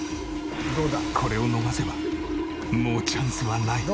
これを逃せばもうチャンスはない。